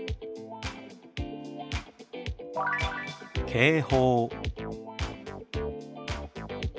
「警報」。